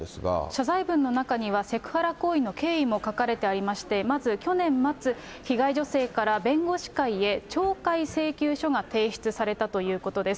謝罪文の中にはセクハラ行為の経緯も書かれてありまして、まず、去年末、被害女性から弁護士会へ懲戒請求書が提出されたということです。